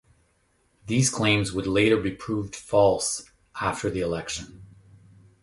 These claims would later be proved false after the election.